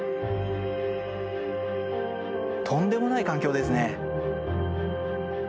とんでもない環境ですね。